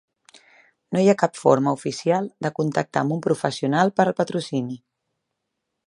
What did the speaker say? No hi ha cap forma oficial de contactar amb un professional per al patrocini.